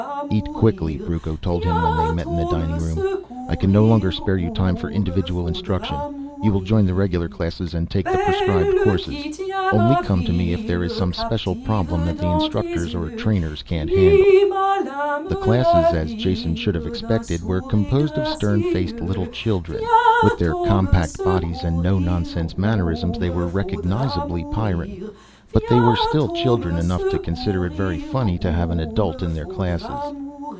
"Eat quickly," Brucco told him when they met in the dining room. "I can no longer spare you time for individual instruction. You will join the regular classes and take the prescribed courses. Only come to me if there is some special problem that the instructors or trainers can't handle." The classes as Jason should have expected were composed of stern faced little children. With their compact bodies and no nonsense mannerisms they were recognizably Pyrran. But they were still children enough to consider it very funny to have an adult in their classes.